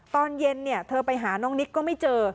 ตอนเย็นเธอไปหาน้องนิกก็ไม่เจอ